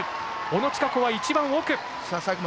小野智華子は一番奥。